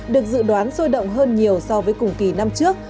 được dự đoán sôi động hơn nhiều so với cùng kỳ năm trước